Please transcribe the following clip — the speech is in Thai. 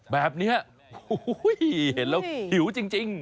แบบนี้เห็นแล้วหิวจริง